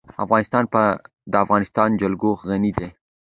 افغانستان په د افغانستان جلکو غني دی.